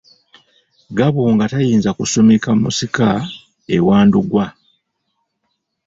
Gabunga tayinza kusumika Musika ewa Ndugwa.